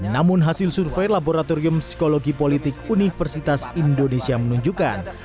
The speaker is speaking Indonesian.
namun hasil survei laboratorium psikologi politik universitas indonesia menunjukkan